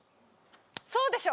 そうでしょ？